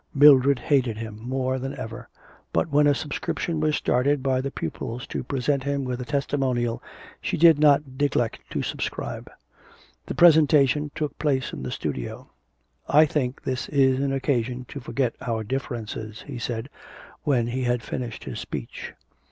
Mildred hated him more than ever, but when a subscription was started by the pupils to present him with a testimonial she did not neglect to subscribe. The presentation took place in the studio. 'I think this is an occasion to forget our differences,' he said, when he had finished his speech.